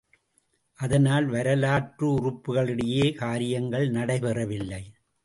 அதனால் வரலாற்றுறுப்புக்களிடையே காரியங்கள் நடைபெறவில்லை.